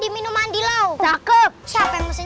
minum mandi lauk siapa yang mau